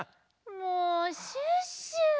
もうシュッシュ！